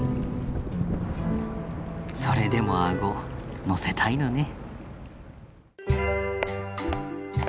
それでもあごのせたいのね。